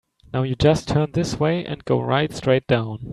Now you just turn this way and go right straight down.